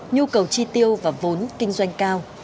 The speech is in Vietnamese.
nhu cầu chi tiêu và vốn kinh doanh cao